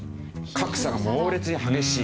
格差が猛烈に激しい。